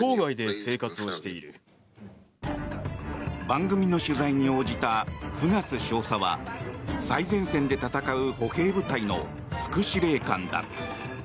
番組の取材に応じたフガス少佐は最前線で戦う歩兵部隊の副司令官だ。